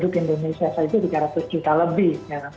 penduduk indonesia itu tiga ratus juta lebih